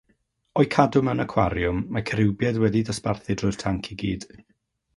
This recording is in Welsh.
O'u cadw mewn acwariwm, mae ceriwbiaid wedi eu dosbarthu drwy'r tanc i gyd.